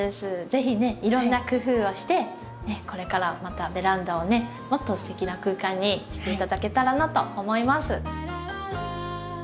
是非ねいろんな工夫をしてこれからまたベランダをねもっとすてきな空間にして頂けたらなと思います。